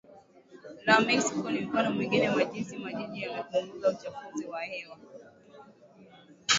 la Mexico ni mfano mwingine wa jinsi majiji yamepunguza uchafuzi wao